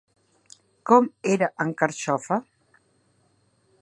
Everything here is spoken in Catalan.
Com era en Carxofa?